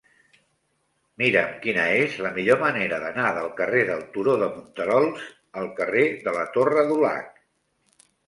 Mira'm quina és la millor manera d'anar del carrer del Turó de Monterols al carrer de la Torre Dulac.